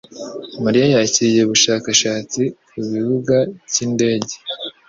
Mariya yakiriye ubushakashatsi ku kibuga cyindege.